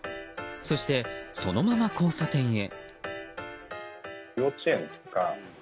そして、そのまま交差点へ。